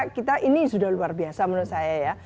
kita ini sudah luar biasa menurut saya ya